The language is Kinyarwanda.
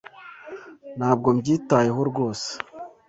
Ntabwo mbyitayeho rwose.